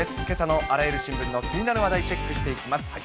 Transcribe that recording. けさのあらゆる新聞の気になる話題、チェックしていきます。